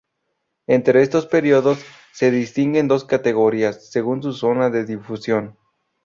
Entre estos periódicos, se distinguen dos categorías según su zona de difusión.